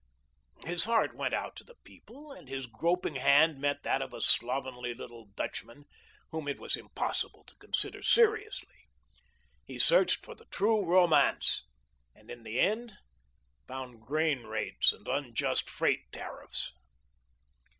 His heart went out to the people, and his groping hand met that of a slovenly little Dutchman, whom it was impossible to consider seriously. He searched for the True Romance, and, in the end, found grain rates and unjust freight tariffs.